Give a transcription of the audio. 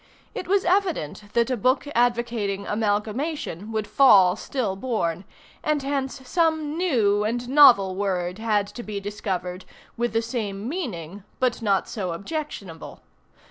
It was evident that a book advocating amalgamation would fall still born, and hence some new and novel word had to be discovered, with the same meaning, but not so objectionable.